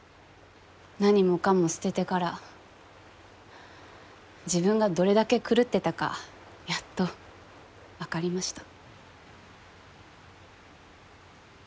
何もかも捨ててから自分がどれだけ狂ってたかやっとわかりました。